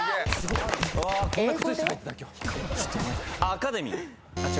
アカデミー。